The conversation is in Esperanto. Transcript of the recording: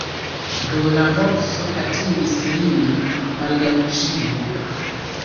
Do la mopso atingis lin, malgraŭ ĉio.